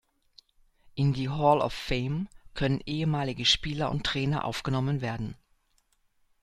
In die Hall of Fame können ehemalige Spieler und Trainer aufgenommen werden.